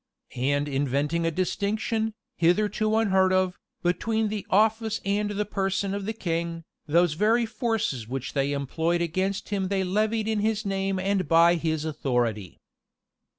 And inventing a distinction, hitherto unheard of, between the office and the person of the king, those very forces which they employed against him they levied in his name and by his authority.